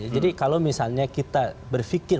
jadi kalau misalnya kita berfikir